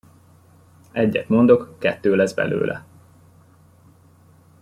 Egyet mondok, kettő lesz belőle.